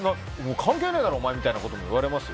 関係ないだろお前みたいなことも言われましたよ。